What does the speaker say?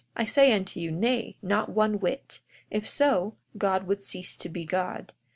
I say unto you, Nay; not one whit. If so, God would cease to be God.